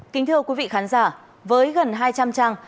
kính thưa quý vị khán giả với gần hai trăm linh trang